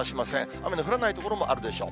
雨の降らない所もあるでしょう。